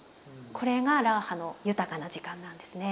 これがラーハの豊かな時間なんですね。